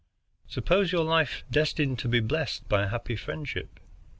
Suppose your life destined to be blessed by a happy friendship.